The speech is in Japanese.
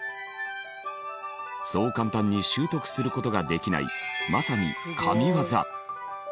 そう簡単に習得する事ができないまさに神業。